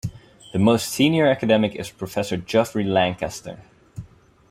The most senior academic is Professor Geoffrey Lancaster.